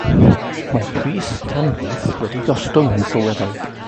Mae pris tanwydd wedi gostwng yn sylweddol.